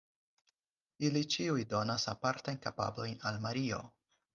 Ili ĉiuj donas apartajn kapablojn al Mario.